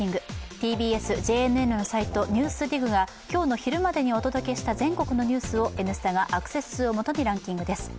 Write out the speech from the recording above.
ＴＢＳ・ＪＮＮのサイト「ＮＥＷＳＤＩＧ」が今日の昼間までにお届けした全国のニュースを「Ｎスタ」がアクセス数をもとにランキングです。